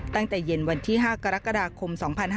ตั้งแต่เย็นวันที่๕กรกฎาคม๒๕๕๙